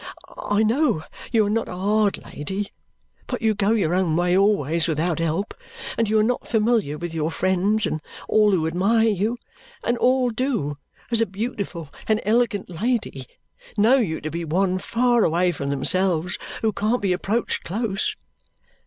I know you are not a hard lady, but you go your own way always without help, and you are not familiar with your friends; and all who admire you and all do as a beautiful and elegant lady, know you to be one far away from themselves who can't be approached close.